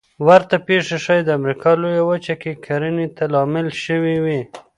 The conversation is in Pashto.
ورته پېښې ښایي د امریکا لویه وچه کې کرنې ته لامل شوې وي